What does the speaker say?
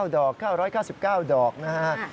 ดอก๙๙๙ดอกนะฮะ